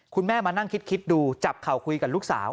คุณแม่มานั่งคิดดูจับเข่าคุยกับลูกสาว